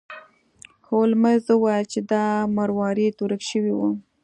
هولمز وویل چې دا مروارید ورک شوی و.